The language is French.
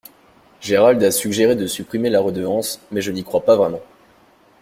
Gérald a suggéré de supprimer la redevance, mais je n'y crois pas vraiment.